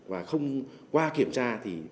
và qua kiểm tra thì